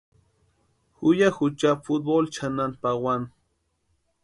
Ju ya jucha futboli chʼanani pawani.